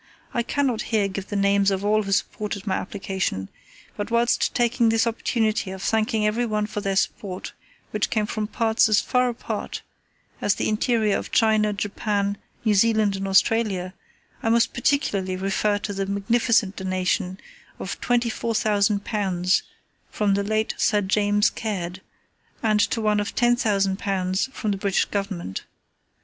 I cannot here give the names of all who supported my application, but whilst taking this opportunity of thanking every one for their support, which came from parts as far apart as the interior of China, Japan, New Zealand, and Australia, I must particularly refer to the munificent donation of £24,000 from the late Sir James Caird, and to one of £10,000 from the British Government.